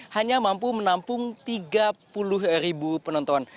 hanya mampu menampung tiga puluh ribu penonton